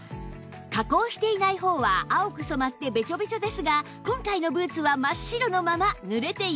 加工していない方は青く染まってベチョベチョですが今回のブーツは真っ白のまま濡れていません